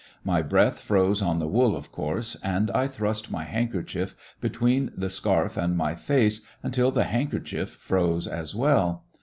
My breath froze on the wool, of course, and I thrust my handkerchief between the scarf and my faee until the handkerchief froze as well.